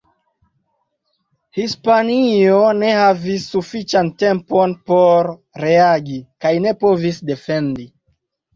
Hispanio ne havis sufiĉan tempon por reagi, kaj ne povis defendi.